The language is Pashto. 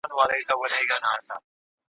څېړنه باید په معیاري ډول ترسره سي.